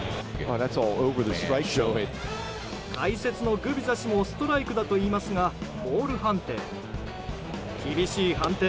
解説のグビザ氏もストライクだと言いますがボール判定。